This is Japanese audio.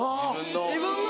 自分の。